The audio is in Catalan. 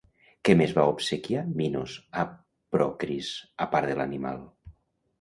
Què més va obsequiar Minos a Procris, a part de l'animal?